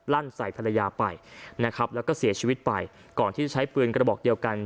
ลั่นใส่ภรรยาไปนะครับแล้วก็เสียชีวิตไปก่อนที่จะใช้ปืนกระบอกเดียวกัน